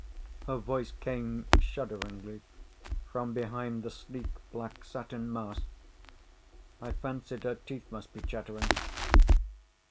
Her voice came shudderingly from behind the sleek black satin mask. I fancied her teeth must be chattering.